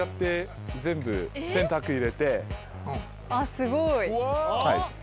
すごい。